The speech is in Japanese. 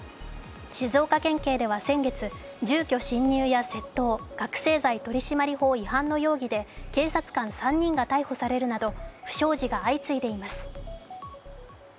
静岡県警では先月、住居侵入や窃盗、覚醒剤取締法違反の容疑で警察官３人が逮捕されるなど不祥事が相次いでいます。